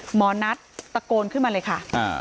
หมอนัทตะโกนขึ้นมาเลยค่ะ